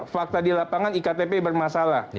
fakta di lapangan iktp bermasalah